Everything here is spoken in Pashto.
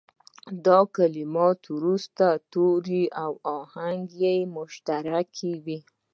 دا کلمات وروستي توري او آهنګ یې مشترک وي.